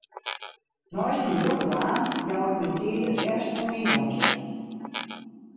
Neist myn drokke baan jou ik myn tiid it leafst oan myn jonkje.